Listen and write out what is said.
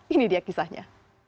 ini dia kisahnya